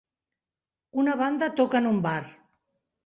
Una banda toca en un bar